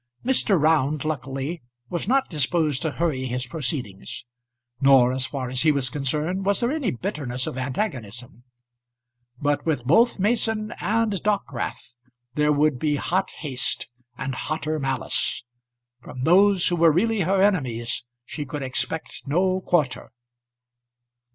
Mr. Round, luckily, was not disposed to hurry his proceedings; nor, as far as he was concerned, was there any bitterness of antagonism. But with both Mason and Dockwrath there would be hot haste, and hotter malice. From those who were really her enemies she could expect no quarter.